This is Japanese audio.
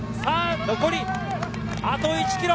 残りあと１ｋｍ。